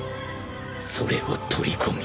［それを取り込み